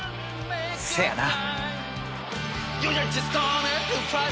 せやな。